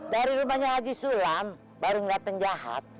dari rumahnya haji sulam baru ngeliat penjahat